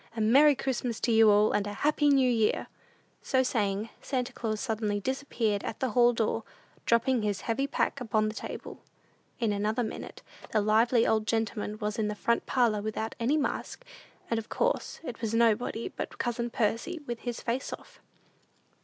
A Merry Christmas to you all, and a Happy New Year." So saying, Santa Claus suddenly disappeared at the hall door, dropping his heavy pack upon the table. In another minute the lively old gentleman was in the front parlor without any mask, and of course it was nobody but cousin Percy "with his face off."